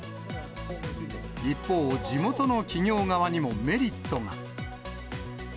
一方、地元の企業側にもメリットが。